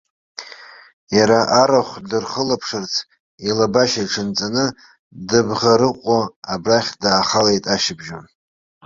Иара арахә дырхылаԥшырц, илабашьа иҽанҵаны, дыбӷарыҟәҟәо абрахь даахалеит ашьыбжьон.